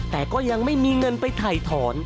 แต่ก็ยังไม่มีเงินไปถ่ายถอน